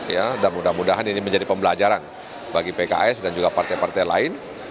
ya dan mudah mudahan ini menjadi pembelajaran bagi pks dan juga partai partai lain